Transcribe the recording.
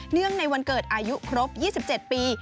เนื่องในวันเกิดอายุครบ๒๗ปี